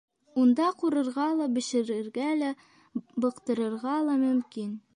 Унда ҡурырға ла, бешерергә лә, быҡтырырға ла мөмкин